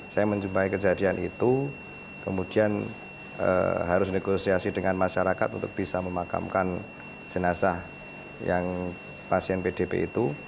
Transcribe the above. saya menjumpai kejadian itu kemudian harus negosiasi dengan masyarakat untuk bisa memakamkan jenazah yang pasien pdp itu